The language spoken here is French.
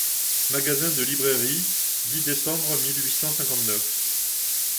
MAGASIN DE LIBRAIRIE, dix décembre mille huit cent cinquante-neuf.